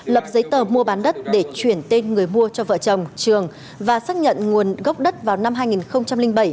lập giấy tờ mua bán đất để chuyển tên người mua cho vợ chồng trường và xác nhận nguồn gốc đất vào năm hai nghìn bảy